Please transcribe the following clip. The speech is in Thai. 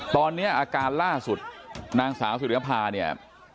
ตอนนี้อาการล่าสุดนางสาวสุริยภาเนี่ย